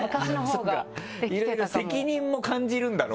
そっかいろいろ責任も感じるんだろうね。